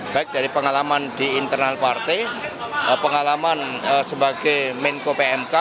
baik dari pengalaman di internal partai pengalaman sebagai menko pmk